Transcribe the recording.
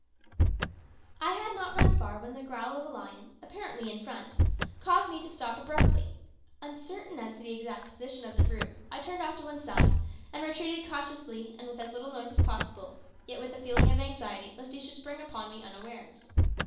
I had not run far when the growl of a lion, apparently in front, caused me to stop abruptly. Uncertain of the exact position of the brute, I turned off to one side, and retreated cautiously and with as little noise as possible, yet with a feeling of anxiety lest he should spring upon me unawares.